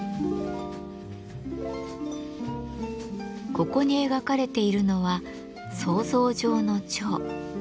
ここに描かれているのは想像上の蝶。